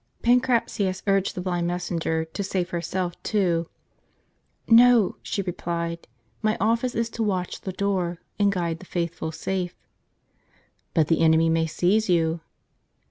Pancratius urged the blind messengei to save herself too. "No," she replied, "my office is to watch the door, and guide the faithful safe." " But the enemy may seize you."